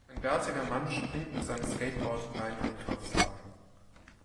Ein bärtiger Mann springt mit seinem Skateboard über einen Einkaufswagen.